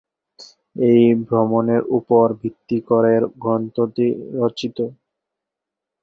এই ভ্রমণের ওপর ভিত্তি করে গ্রন্থটি রচিত।